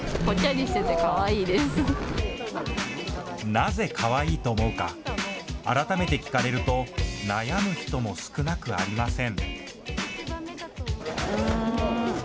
なぜかわいいと思うか、改めて聞かれると悩む人も少なくありません。